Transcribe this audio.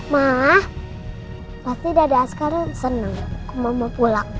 ma pasti dada askaran seneng kemama pulang